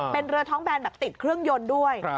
เป็นเรือท้องแบนแบบติดเครื่องยนต์ด้วย